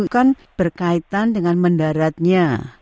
kan berkaitan dengan mendaratnya